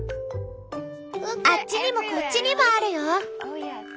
あっちにもこっちにもあるよ。